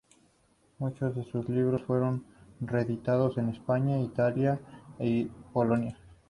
Muchos de sus libros fueron reeditados en España, Italia y Polonia.